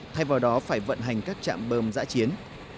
thay vào đó phải vận hành các trạm bơm giã chiến